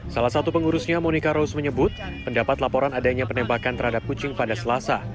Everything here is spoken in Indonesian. salah satu pengurusnya monika rose menyebut pendapat laporan adanya penembakan terhadap kucing pada selasa